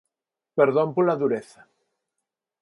Perdón pola dureza.